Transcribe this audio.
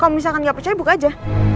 kalo misalkan gak percaya buk aja